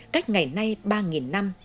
cách ngày nay ba năm